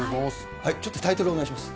ちょっとタイトルお願いします。